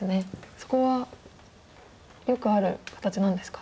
そこはよくある形なんですか？